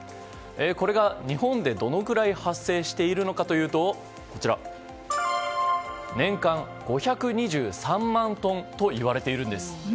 これが日本でどのくらい発生しているのかというと年間５２３万トンと言われているんです。